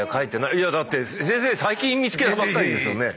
いやだって先生最近見つけたばっかりですよね。